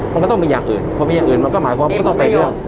มันก็ต้องมีอย่างอื่นมันก็หมายความว่ามันก็ต้องเป็นเรื่อง